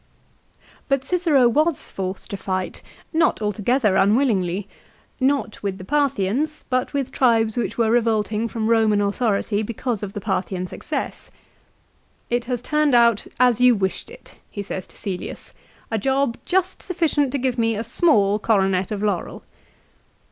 But Cicero was forced to fight, not altogether unwillingly, not with the Parthians, but with tribes which were revolt ing from Roman authority because of the Parthian success. "It has turned out as you wished it," he says to Cselius, " a job just sufficient to give me a small coronet of laurel."